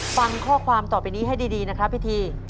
ฟังข้อความต่อไปนี้ให้ดีนะครับพี่ที